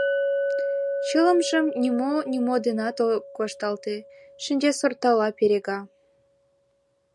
Чылымжым нимо-нимо денат ок вашталте, шинчасортала перега.